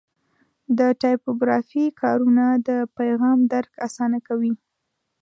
د ټایپوګرافي کارونه د پیغام درک اسانه کوي.